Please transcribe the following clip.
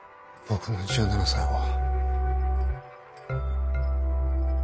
僕の１７才は。